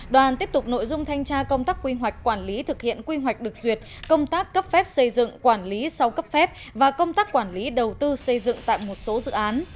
đoàn tiếp tục nội dung thanh tra công tác quy hoạch quản lý thực hiện quy hoạch được duyệt công tác cấp phép xây dựng quản lý sau cấp phép và công tác quản lý đầu tư xây dựng tại một số dự án